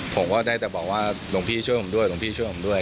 ผมก็ได้แต่บอกว่าหลวงพี่ช่วยผมด้วยหลวงพี่ช่วยผมด้วย